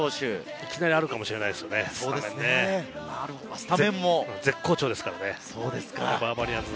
いきなりあるかもしれないですよね、絶好調ですからね。